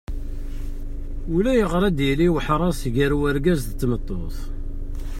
Ulayɣer ad yili uḥras gar urgaz d tmeṭṭut.